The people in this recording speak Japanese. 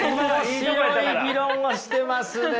面白い議論をしてますね。